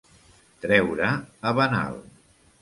Treure a venal.